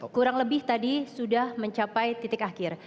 kurang lebih tadi sudah mencapai titik akhir